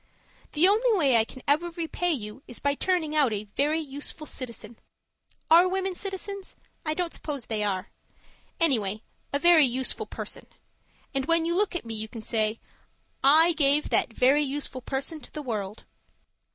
The only way I can ever repay you is by turning out a Very Useful Citizen (Are women citizens? I don't suppose they are.) Anyway, a Very Useful Person. And when you look at me you can say, 'I gave that Very Useful Person to the world.'